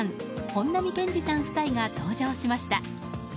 本並健治さん夫妻が登場しました。